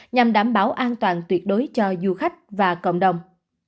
nhằm đảm bảo an toàn tuyệt đối cho du khách và cộng đồng